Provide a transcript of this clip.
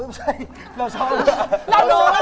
เออไม่ใช่เราชอบ